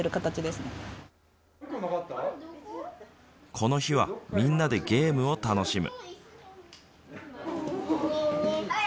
この日はみんなでゲームを楽しむ。